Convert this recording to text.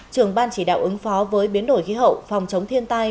trưởng ban chỉ đạo ứng phó với biến đổi khí hậu phòng chống thiên tai